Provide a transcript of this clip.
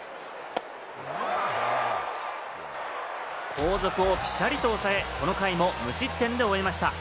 後続をピシャリとおさえ、この回も無失点で終えました。